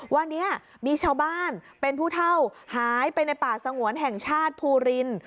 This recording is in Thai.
วันนี้มีชาวบ้านเป็นผู้เท่าหายไปในป่าสงวนแห่งชาติภูริน